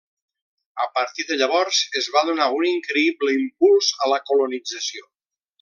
A partir de llavors es va donar un increïble impuls a la colonització.